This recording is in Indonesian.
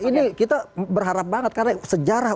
ini kita berharap banget karena sejarah